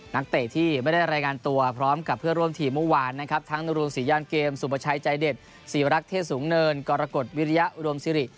นักเตะที่ไม่ได้รายงานตัวพร้อมกับเพื่อร่วมทีมเมื่อวานนะครับทั้งนรงศรีย่านเกมสุประชัยใจเด็ดศรีวรักษ์เทศสูงเนินกรกฎวิริยะอุดมสิริ